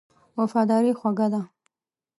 وفاداري خوږه ده.